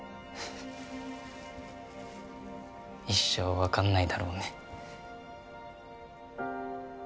一生分かんないだろうね